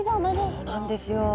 そうなんですよ。